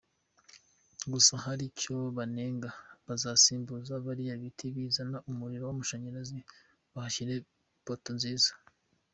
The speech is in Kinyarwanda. Gusa hari icyo mbanenga, bazasimbuze biriya biti bizana umuriro w'amashanyarazi bahashyire poteaux nziza.